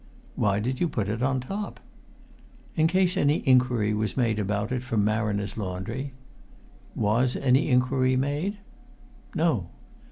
"Why did you put it on top?" "In case any inquiry was made about it from Marriners' Laundry." "Was any inquiry made?" "No."